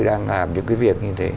đang làm những cái việc như thế